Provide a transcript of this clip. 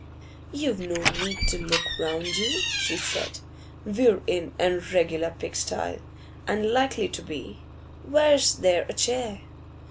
'You've no need to look round you,' she said. 'We're in & regular pig stye, and likely to be. Where's there a chair?